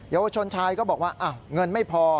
เยาวชนชายก็บอกว่าเงินไม่พอ